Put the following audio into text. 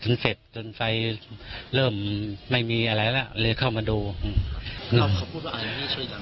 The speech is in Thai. จนเสร็จจนไฟเริ่มไม่มีอะไรแล้วเลยเข้ามาดูอืมเขาพูดว่าอันนี้ช่วยอย่าง